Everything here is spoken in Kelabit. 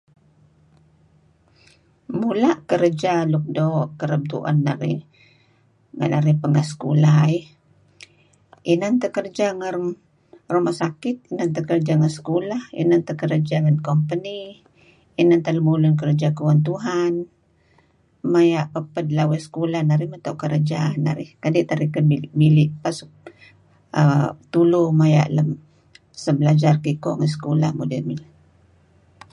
Mula' kereja luk doo' kereb tuen narih renga narih pangeh sekolah. Inan teh kerja nga Ruma' Sakit, nuk kerja ngi sekolah, inan teh kerja ngen company inan teh lemulun kerja kuan Tuhan. Maya' paped lawey sekolah narih meto' kerja narih dih teh narih mili' uhm. Tulu maya' sebelajar kiko ngi sekolah nhdeh nidih.